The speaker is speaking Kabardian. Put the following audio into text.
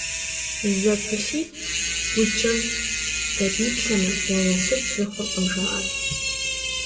ЗэпылъитӀ гъуджэм зэдиплъэмэ, я насып зы хъуркъым, жаӀэрт.